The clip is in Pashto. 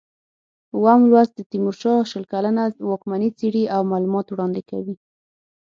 اووم لوست د تیمورشاه شل کلنه واکمني څېړي او معلومات وړاندې کوي.